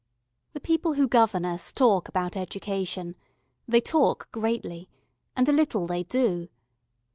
The people who govern us talk about education they talk greatly, and a little they do.